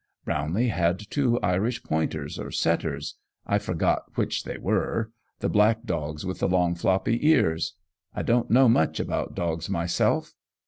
Brownlee had two Irish pointers or setters I forget which they were; the black dogs with the long, floppy ears. I don't know much about dogs myself.